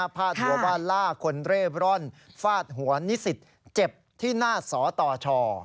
พาดหัวว่าล่าคนเร่ร่อนฟาดหัวนิสิตเจ็บที่หน้าสตช